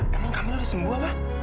emang kamila disembuh apa